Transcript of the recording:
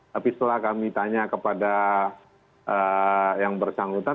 tapi setelah kami tanya kepada yang bersangkutan